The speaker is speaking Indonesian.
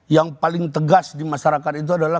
yang paling tegas di masyarakat itu adalah